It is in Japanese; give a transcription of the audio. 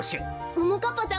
ももかっぱちゃん